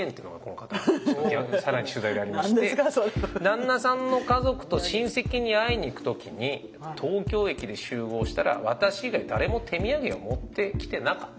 旦那さんの家族と親戚に会いにいく時に東京駅で集合したら私以外誰も手土産を持ってきてなかったと。